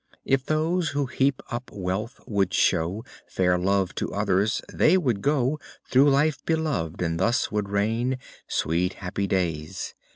If those who heap up wealth would show Fair love to others, they would go Through life beloved, and thus would reign Sweet happy days.